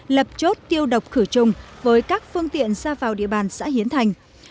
lập chốt tiêu độc khử trùng với các phương tiện ra vào địa bàn xã hiến thành